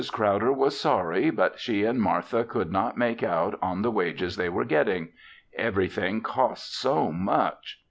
Crowder was sorry but she and Martha could not make out on the wages they were getting everything cost so much.